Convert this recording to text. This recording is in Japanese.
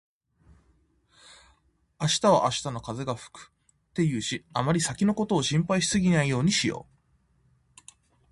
「明日は明日の風が吹く」って言うし、あまり先のことを心配しすぎないようにしよう。